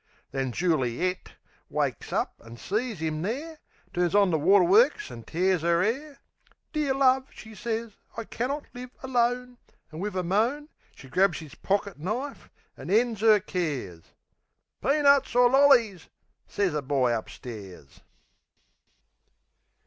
Then Juli et wakes up an' sees 'im there, Turns on the water works an' tears 'er 'air, "Dear love," she sez, "I cannot live alone!" An' wiv a moan, She grabs 'is pockit knife, an' ends 'er cares... "Peanuts or lollies!" sez a boy upstairs.